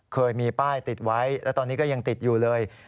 เคยมีป้ายติดไว้และตอนนี้ก็ยังติดอยู่เลย